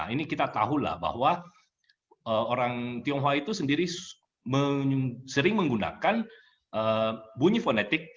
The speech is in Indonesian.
ini kita tahulah bahwa orang tionghoa itu sendiri sering menggunakan bunyi fonetik